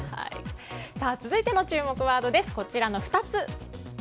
続いての注目ワードはこちらの２つ。